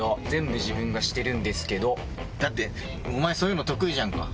だっておまえそういうの得意じゃんか。